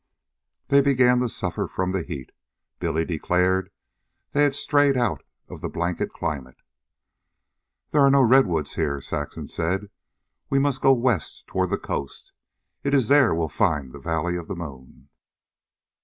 They began to suffer from the heat. Billy declared they had strayed out of the blanket climate. "There are no redwoods here," Saxon said. "We must go west toward the coast. It is there we'll find the valley of the moon."